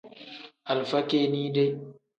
Alifa kinide.